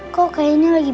kau kayaknya lagi bingung